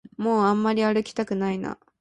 もうあんまり歩きたくないな